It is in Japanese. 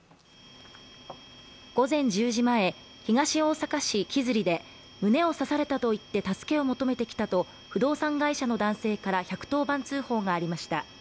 午前１０時前、東大阪市衣摺で胸を刺されたと言って助けを求めてきたと不動産会社の男性から１１０番通報がありました。